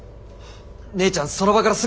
姉ちゃんその場からすぐ離れて！